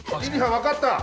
わかった！